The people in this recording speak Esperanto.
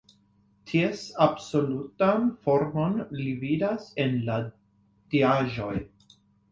Ties absolutan formon li vidas en la diaĵoj.